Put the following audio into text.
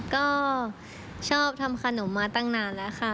ก็ชอบทำขนมมาตั้งนานแล้วค่ะ